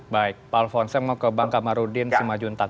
baik pak alfon saya mau ke bang kamarudin simajuntak